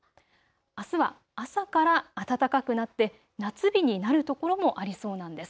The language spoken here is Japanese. あすは朝から暖かくなって夏日になる所もありそうなんです。